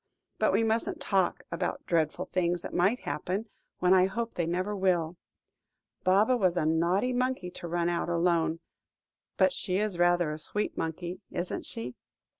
but we mustn't talk about dreadful things that might happen, when I hope they never will. Baba was a naughty monkey to run out alone. But she is rather a sweet monkey, isn't she?"